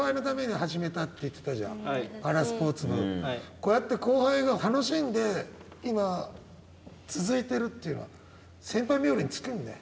こうやって後輩が楽しんで今続いてるっていうのは先輩冥利に尽きるね。